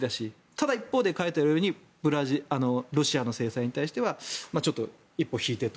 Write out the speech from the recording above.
ただ一方で、書いてあるようにロシアの制裁に対してはちょっと一歩引いてと。